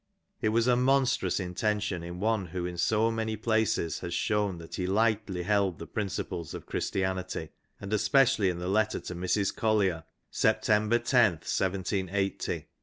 It was a monstrous intention in one who in so many places has shown that he lightly held the principles of Christianity, and especially in the letter to Mrs. Collier, September 10th 1780 (TV.